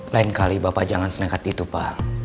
lain kali bapak jangan seneng seneng gitu pak